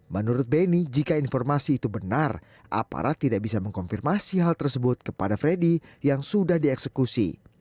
menurut beni jika informasi itu benar aparat tidak bisa mengkonfirmasi hal tersebut kepada freddy yang sudah dieksekusi